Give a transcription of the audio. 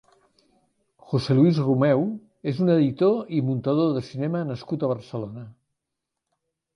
José Luis Romeu és un editor i muntador de cinema nascut a Barcelona.